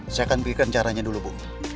saya akan berikan caranya dulu bu